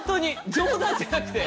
冗談じゃなくて。